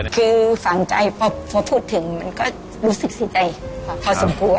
คือฝังใจพอพูดถึงมันก็รู้สึกเสียใจพอสมควร